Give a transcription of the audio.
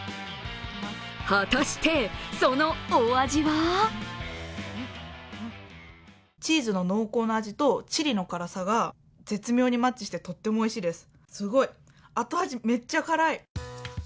果たして、そのお味はチーズの濃厚な味とチリの辛さが絶妙にマッチしてとってもおいしいです。